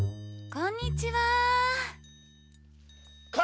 こんにちは！